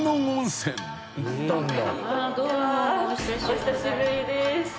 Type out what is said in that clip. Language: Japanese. お久しぶりです。